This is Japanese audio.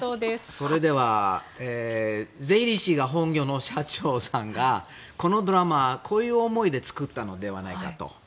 それでは税理士が本業の社長さんがこのドラマ、こういう思いで作ったのではないかと。